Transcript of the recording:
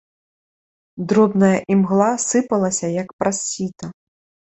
Дробная імгла сыпалася як праз сіта.